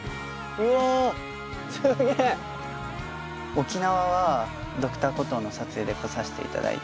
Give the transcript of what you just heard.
沖縄は『Ｄｒ．コトー』の撮影で来させていただいて。